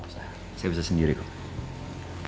saya bisa sendiri pak